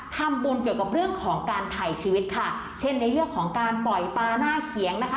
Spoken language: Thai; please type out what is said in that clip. ทำบุญเกี่ยวกับเรื่องของการถ่ายชีวิตค่ะเช่นในเรื่องของการปล่อยปลาหน้าเขียงนะคะ